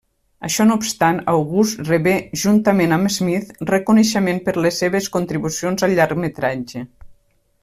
Això no obstant, August rebé, juntament amb Smith, reconeixement per les seves contribucions al llargmetratge.